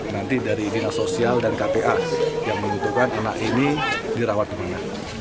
nanti dari dinas sosial dan kpa yang menentukan anak ini dirawat di mana